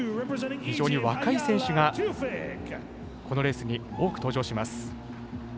非常に若い選手がこのレースに多く登場します。